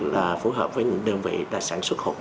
là phù hợp với những đơn vị đã sản xuất hộp chế